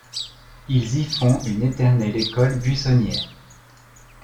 Ils y font une éternelle école buissonnière.